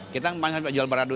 kita jual beradu